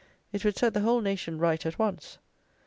It would set the whole nation right at once.